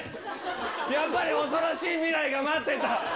やっぱり恐ろしい未来が待ってた。